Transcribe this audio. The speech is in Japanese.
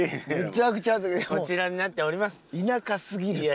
こちらになっております。